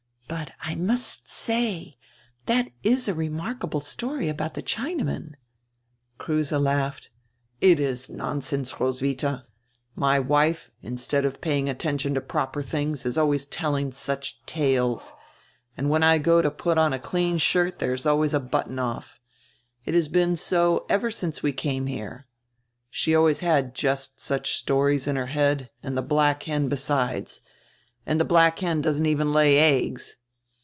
But, I must say, that is a remarkahle story ahout die Chinaman." Kruse laughed. "It is nonsense, Roswitha. My wife, instead of paying attention to proper tilings, is always tell ing such tales, and when I go to put on a clean shirt there is a button off. It has been so ever since we came here. She always had just such stories in her head and the black hen besides. And the black hen doesn't even lay eggs.